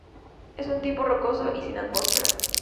Es de tipo rocoso y sin atmósfera.